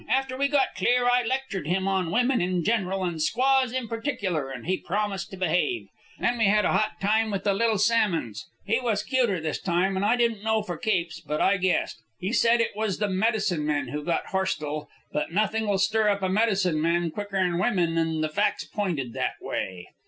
After we got clear, I lectured him on women in general and squaws in particular, and he promised to behave. Then we had a hot time with the Little Salmons. He was cuter this time, and I didn't know for keeps, but I guessed. He said it was the medicine man who got horstile; but nothing'll stir up a medicine man quicker'n women, and the facts pointed that way.